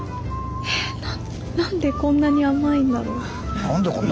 なんでこんな甘いんだろうな。